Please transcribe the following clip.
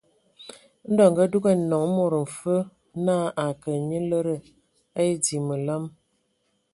Ndɔ a adugan nɔŋ mod mfe naa a ke nye lədə a edzii məlam.